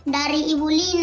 dari ibu lina